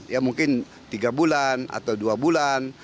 ya mungkin tiga bulan atau dua bulan